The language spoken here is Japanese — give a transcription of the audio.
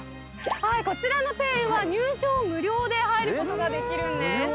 こちらの庭園は入場無料で入ることができるんです。